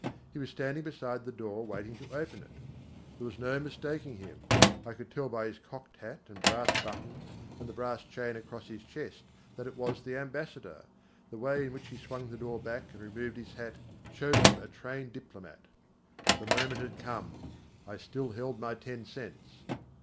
He was standing beside the door waiting to open it. There was no mistaking him. I could tell by his cocked hat and brass buttons and the brass chain across his chest that it was the Ambassador. The way in which he swung the door back and removed his hat showed him a trained diplomat. The moment had come. I still held my ten cents.